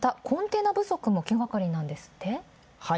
また、コンテナ不足も気がかりなんですって？